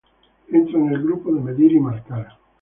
Entra en el grupo de medir y marcar.